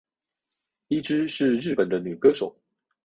伊织是日本的女歌手。